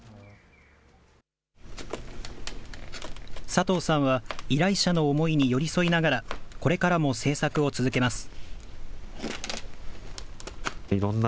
佐藤さんは、依頼者の思いに寄り添いながら、これからも製作を続けます。